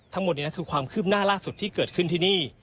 ทั้งหมดนี้คือความคืบหน้าล่าสุดที่เกิดขึ้นที่นี่